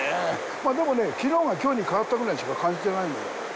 まあ、でもね、きのうがきょうに変わったぐらいにしか感じてないのよ。